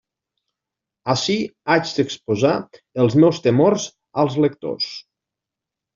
Ací haig d'exposar els meus temors als lectors.